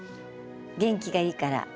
元気がいいから。